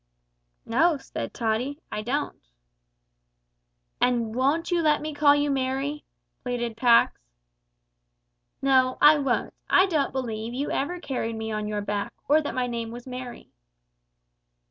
"No," said Tottie, "I don't." "And won't you let me call you Merry?" pleaded Pax. "No, I won't. I don't believe you ever carried me on your back, or that my name was Merry."